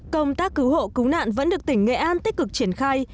công tác cứu hộ cứu nạn vẫn được tỉnh nghệ an tích cực triển khai